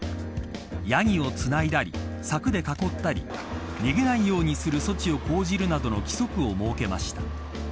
ヤギをつないだり柵で囲ったり逃げないようにする処置を講じるなどの規則を設けました。